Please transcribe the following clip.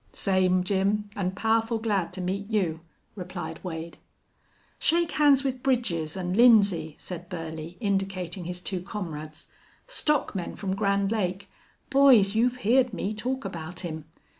"Same, Jim, an' powerful glad to meet you," replied Wade. "Shake hands with Bridges an' Lindsay," said Burley, indicating his two comrades. "Stockmen from Grand Lake.... Boys, you've heerd me talk about him.